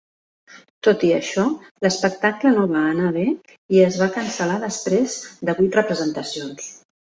Tot i això, l'espectacle no va anar bé i es va cancel·lar després de vuit representacions.